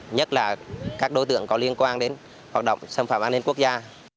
nhất là các đối tượng có liên quan đến hoạt động xâm phạm an ninh quốc gia